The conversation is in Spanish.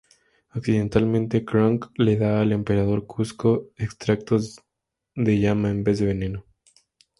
Accidentalmente Kronk le da al emperador Kuzco extractos de llama en vez de veneno.